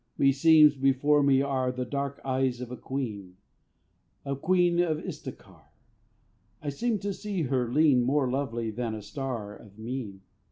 Meseems, before me are The dark eyes of a queen, A queen of Istakhar: I seem to see her lean More lovely than a star Of mien.